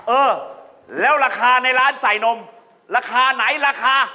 เออแล้วราคาในร้านใส่นมราคาไหนราคา